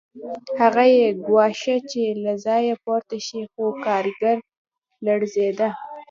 هغه یې ګواښه چې له ځایه پورته شي خو کارګر لړزېده